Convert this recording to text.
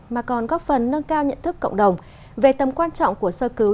mà còn góp phần nâng cao nhận thức cộng đồng về tầm quan trọng của sơ cứu